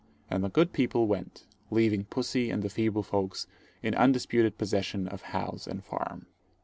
And the good people went, leaving pussy and the feeble folks, in undisputed possession of house and farm.